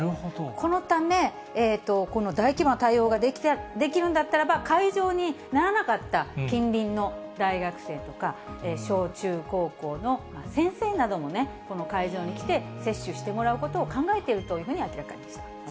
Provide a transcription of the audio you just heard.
このため、この大規模な対応ができるんだったらば、会場にならなかった近隣の大学生とか、小中高校の先生などもこの会場に来て、接種してもらうことを考えているというふうに明らかにしています。